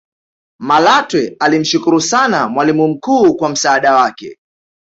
malatwe alimshukru sana mwalimu mkuu kwa msaada wake